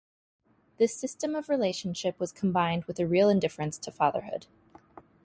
This system of relationship was combined with a real indifference to fatherhood.